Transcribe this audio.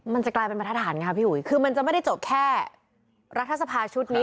มันจะกลายเป็นบรรทฐานค่ะพี่อุ๋ยคือมันจะไม่ได้จบแค่รัฐสภาชุดนี้